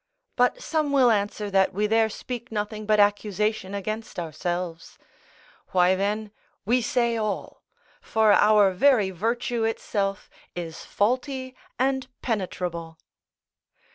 But some will answer that we there speak nothing but accusation against ourselves; why then, we say all; for our very virtue itself is faulty and penetrable.